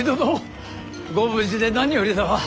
ご無事で何よりだわ。